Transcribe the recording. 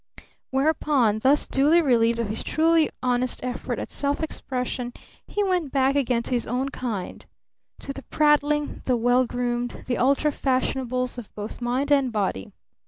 Whereupon, thus duly relieved of his truly honest effort at self expression, he went back again to his own kind to the prattling, the well groomed, the ultra fashionables of both mind and body.